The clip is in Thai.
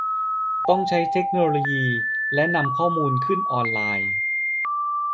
ต้องใช้เทคโนโลยีและนำข้อมูลขึ้นออนไลน์